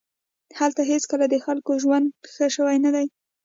هلته هېڅکله د خلکو ژوند ښه شوی نه دی